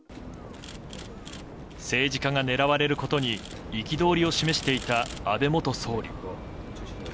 政治家が狙われることに憤りを示していた安倍元総理。